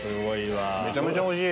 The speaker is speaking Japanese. めちゃめちゃおいしい！